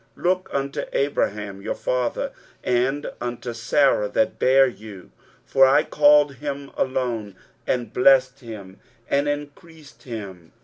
23:051:002 Look unto Abraham your father, and unto Sarah that bare you: for I called him alone, and blessed him, and increased him.